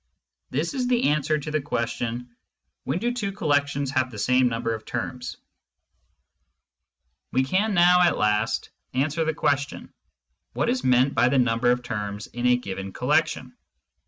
This is the answer to the question : When do two collections have the same number of terms ? We can now at last answer the question : What is meant by the number of terms in a given collection